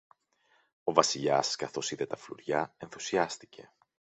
Ο Βασιλιάς, καθώς είδε τα φλουριά, ενθουσιάστηκε.